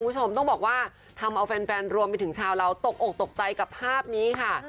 คุณผู้ชมต้องบอกว่าทำเอาแฟนรวมไปถึงชาวเราตกอกตกใจกับภาพนี้ค่ะ